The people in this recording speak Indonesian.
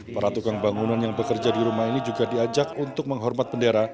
para tukang bangunan yang bekerja di rumah ini juga diajak untuk menghormat bendera